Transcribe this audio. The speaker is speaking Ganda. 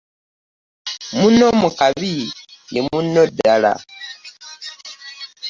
Munno mu kabi ye munno ddala.